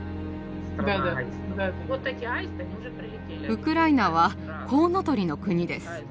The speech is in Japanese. ウクライナはコウノトリの国です。